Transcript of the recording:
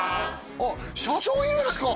あっ社長いるじゃないですか！